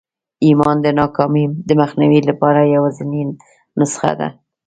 ایمان د ناکامۍ د مخنیوي لپاره یوازېنۍ نسخه ده